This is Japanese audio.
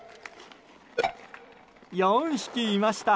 ４匹いました！